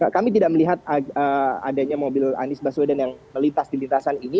kami tidak melihat adanya mobil anies baswedan yang melintas di lintasan ini